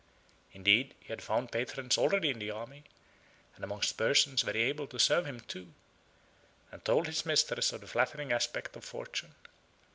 Indeed, he had found patrons already in the army, and amongst persons very able to serve him, too; and told his mistress of the flattering aspect of fortune.